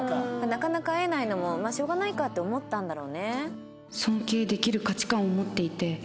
なかなか会えないのもまあしょうがないかって思ったんだろうね。